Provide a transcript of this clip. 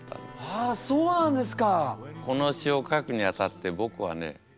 はあそうなんですか！